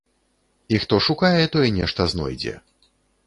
І хто шукае, той нешта знойдзе.